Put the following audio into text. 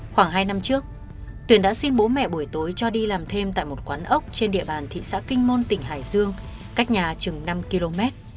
khoảng hai năm trước tuyển đã xin bố mẹ buổi tối cho đi làm thêm tại một quán ốc trên địa bàn thị xã kinh môn tỉnh hải dương cách nhà chừng năm km